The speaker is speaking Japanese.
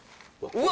うわ。